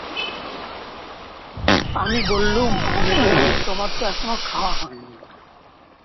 আমি বললুম, মেজোরানী, তোমার তো এখনো খাওয়া হয় নি।